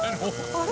あれ？